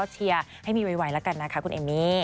เชียร์ให้มีไวแล้วกันนะคะคุณเอมมี่